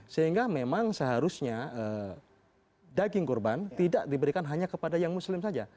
sehingga memang seharusnya daging kurban tidak diberikan hanya kepada yang muslim saja